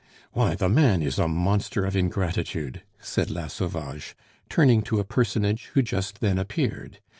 "Why, the man is a monster of ingratitude!" said La Sauvage, turning to a personage who just then appeared.